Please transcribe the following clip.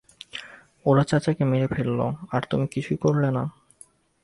ওরা চাচাকে মেরে ফেলল আর তুমি কিছুই করলে না!